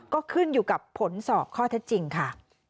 ก็ขึ้นอยู่กับผลสอบข้อเท็จจริงค่ะ